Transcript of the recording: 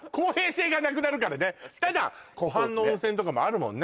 湖畔の温泉とかもあるもんね